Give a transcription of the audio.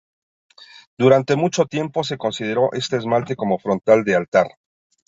Durante mucho tiempo se consideró este esmalte como frontal de altar.